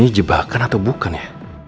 ini jebakan atau bukan ya